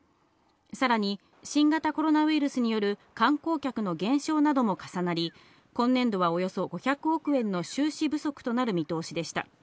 さらに新型コロナウイルスによる観光客の減少なども重なり、今年度はおよそ５００億円の収支不足となる見通しでした。